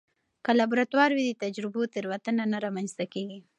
که لابراتوار وي، د تجربو تېروتنه نه رامنځته کېږي.